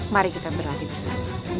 mari kita berlatih bersama